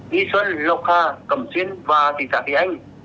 nhi xuân lộc hà cẩm xuyên và thị già thị anh